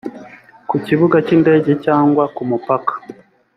ku kibuga cy indege cyangwa ku mupaka